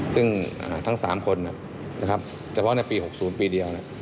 ซึ่งทั้ง๓คนเฉพาะในปี๖๐ปีเดียว